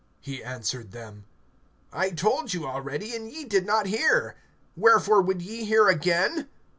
(27)He answered them: I told you already, and ye did not hear. Wherefore would ye hear again?